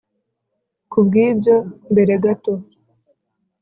ku bwibyo mbere gato